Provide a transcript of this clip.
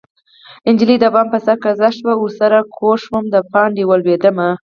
نجلۍ د بام په سر کږه شوه ورسره کوږ شومه د پانډه ولوېدمه